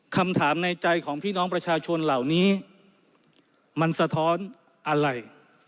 คำถามในใจของพี่น้องประชาชนเหล่านี้มันสะท้อนอะไร